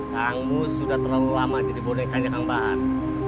kamu sudah terlalu lama jadi boneka nyekang banget